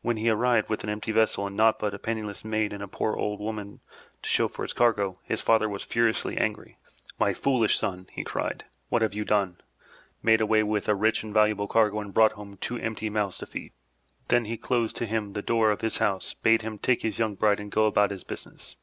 When he arrived with an empty vessel and naught but a penniless maid and a poor old woman to show for his cargo, his father was furiously angry. "My foolish son!*' he cried. "What have you done? Made away with a rich and valuable cargo and brought home two empty mouths to feed! Then he closed to him the door of his' house, bade him take his young bride and go about his business.